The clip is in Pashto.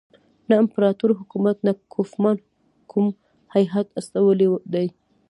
نه امپراطور حکومت نه کوفمان کوم هیات استولی دی.